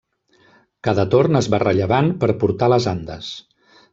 Cada torn es va rellevant per portar les andes.